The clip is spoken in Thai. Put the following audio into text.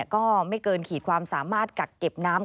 ก็ไม่เกินขีดความสามารถกักเก็บน้ำ